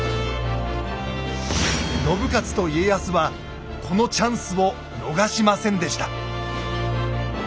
信雄と家康はこのチャンスを逃しませんでした。